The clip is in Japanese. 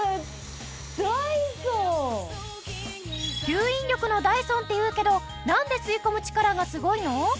吸引力のダイソンって言うけどなんで吸い込む力がすごいの？